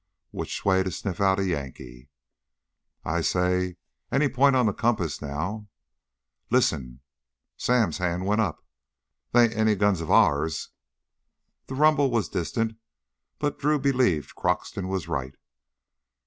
Which way to sniff out a Yankee?" "I'd say any point of the compass now " "Listen!" Sam's hand went up. "Those ain't any guns of ours." The rumble was distant, but Drew believed Croxton was right.